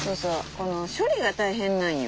この処理が大変なんよ。